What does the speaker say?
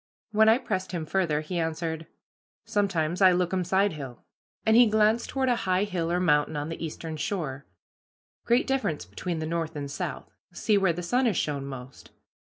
When I pressed him further he answered, "Sometimes I lookum sidehill," and he glanced toward a high hill or mountain on the eastern shore; "great difference between the north and south; see where the sun has shone most.